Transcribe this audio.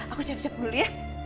aku siap siap dulu ya